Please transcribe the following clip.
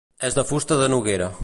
És de fusta de noguera.